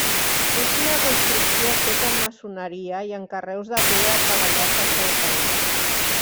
És una construcció feta en maçoneria i amb carreus de pedra treballats als seus angles.